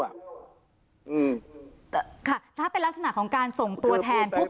ค่ะถ้าเป็นลักษณะของการส่งตัวแทนปุ๊บ